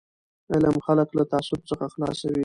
علم خلک له تعصب څخه خلاصوي.